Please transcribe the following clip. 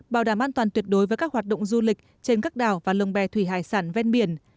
bảo đảm an toàn tuyệt đối với các hoạt động du lịch trên các đảo và lồng bè thủy hải sản ven biển